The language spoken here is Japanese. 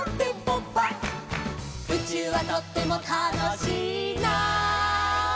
「宇宙はとってもたのしいな」